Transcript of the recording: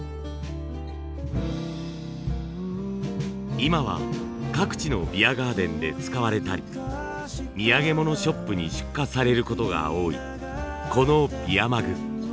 今は各地のビアガーデンで使われたり土産物ショップに出荷されることが多いこのビアマグ。